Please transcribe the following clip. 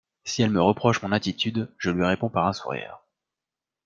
Si elle me reproche mon attitude, je lui réponds par un sourire.